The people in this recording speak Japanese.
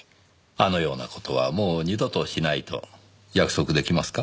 あのような事はもう二度としないと約束出来ますか？